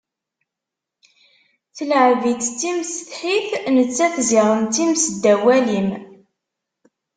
Tleɛɛeb-itt d timsetḥit, nettat ziɣen d times ddaw walim.